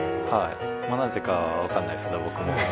なぜかは分からないんですけど、僕も。